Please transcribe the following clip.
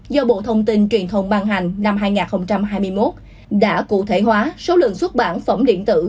do bộ thông tin truyền thông ban hành năm hai nghìn hai mươi một đã cụ thể hóa số lượng xuất bản phẩm điện tử